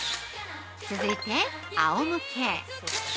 続いて、あおむけ。